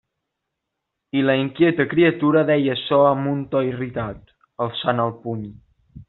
I la inquieta criatura deia açò amb un to irritat, alçant el puny.